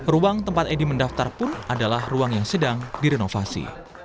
ruang tempat edi mendaftar pun adalah ruang yang sedang direnovasi